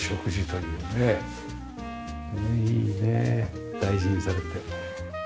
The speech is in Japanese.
いいね大事にされて。